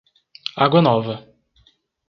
Água Nova